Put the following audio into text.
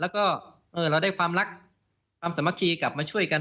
แล้วก็เราได้ความรักความสามัคคีกลับมาช่วยกัน